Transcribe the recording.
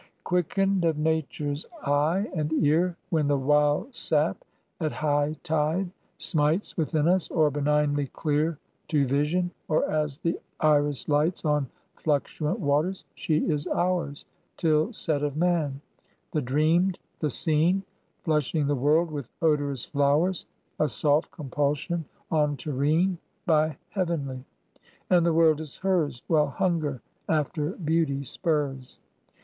Quickened of Nature's eye and ear, When the wild sap at high tide smites Within us; or benignly clear To vision; or as the iris lights On fluctuant waters; she is ours Till set of man: the dreamed, the seen; Flushing the world with odorous flowers: A soft compulsion on terrene By heavenly: and the world is hers While hunger after Beauty spurs.